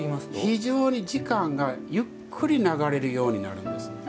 非常に時間がゆっくり流れるようになるんです。